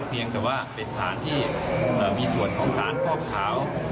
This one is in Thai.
เพียงแต่ว่าเป็นสารที่มีส่วนของสารฟอกขาว